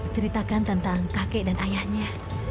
ceritakan tentang kakek dan ayahnya